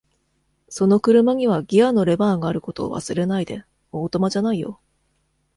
その車にはギアのレバーがあることを忘れないで、オートマじゃないよ。